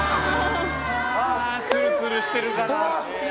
ツルツルしてるから。